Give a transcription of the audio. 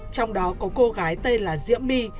trong đó có cô gái tên là diễm my